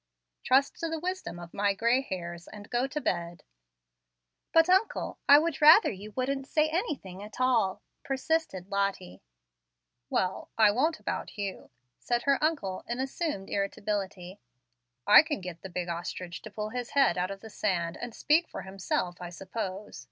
Trust to the wisdom of my gray hairs and go to bed." "But, uncle, I would rather you wouldn't say anything at all," persisted Lottie. "Well, I won't, about you," said her uncle, in assumed irritability. "I can get the big ostrich to pull his head out of the sand and speak for himself, I suppose.